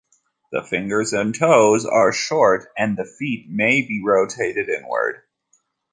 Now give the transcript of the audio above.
The fingers and toes are short and the feet may be rotated inward.